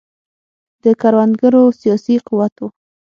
د کروندګرو سیاسي قوت و.